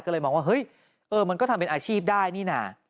ก็เลยมองว่าเฮ้ยเออมันก็ทำเป็นอาชีพได้นี่น่ะ